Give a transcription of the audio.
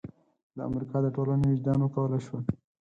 د امریکا د ټولنې وجدان وکولای شول.